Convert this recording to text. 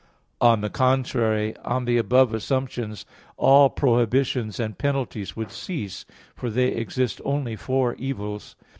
On the contrary, On the above assumptions, all prohibitions and penalties would cease, for they exist only for evils.